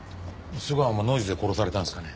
須川もノイズで殺されたんですかね？